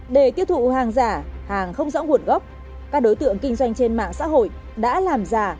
để tiêu thụ hàng giả hàng không rõ nguồn gốc các đối tượng kinh doanh trên mạng xã hội đã làm giả